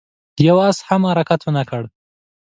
يوه آس هم حرکت ونه کړ.